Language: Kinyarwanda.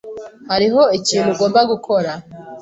Hariho ikintu ugomba gukora.